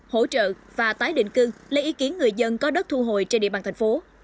hỗ trợ và tái định cương lấy ý kiến người dân có đất thu hồi trên địa bàn tp hcm